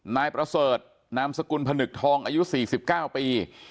นายประเสริฐนามสกุลผนึกทองอายุ๔๙ปี